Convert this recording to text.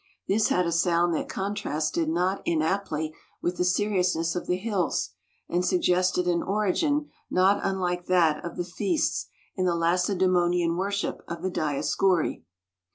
This had a sound that contrasted not inaptly with the seriousness of the hills, and suggested an origin not unlike that of the feasts in the Lacedemonian worship of the Dioscuri.